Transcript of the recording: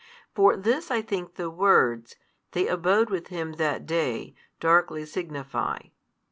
For this I think the words, they abode with Him that day, darkly signify.